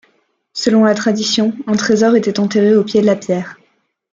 Selon la tradition, un trésor était enterré au pied de la pierre.